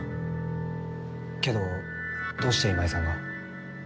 けどどうして今井さんが？